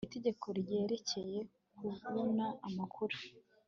itegeko ryerekeye kubona amakuru